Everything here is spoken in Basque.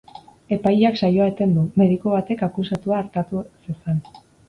Epaileak saioa eten du, mediku batek akusatua artatu zezan.